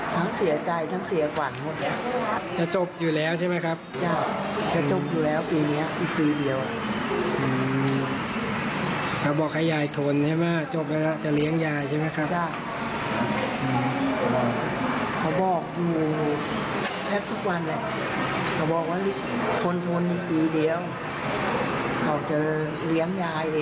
ทนอีกปีเดียวเขาจะเลี้ยงยายเอง